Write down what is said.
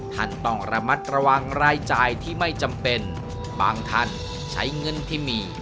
ท่านต้องระมัดระวังรายจ่ายที่ไม่จำเป็นบางท่านใช้เงินที่มี